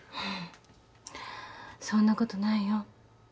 そんなことないよ。